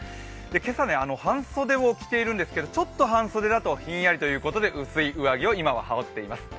今朝半袖を着ているんですけれども、ちょっと半袖だとひんやりということで薄い上着を今、羽織っています。